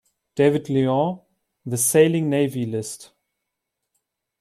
David Lyon: "The Sailing Navy List.